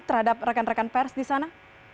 terhadap rekan rekan pers di sana